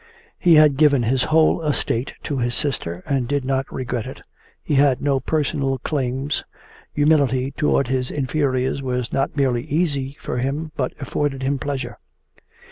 He had given his whole estate to his sister and did not regret it, he had no personal claims, humility towards his inferiors was not merely easy for him but afforded him pleasure.